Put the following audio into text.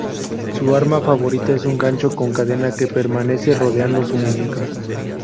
Su arma favorita es un gancho con cadena que permanece rodeando su muñeca.